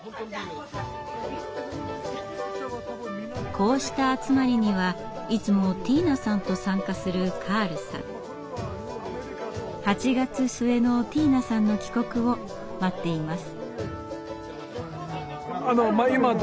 こうした集まりにはいつもティーナさんと参加するカールさん。８月末のティーナさんの帰国を待っています。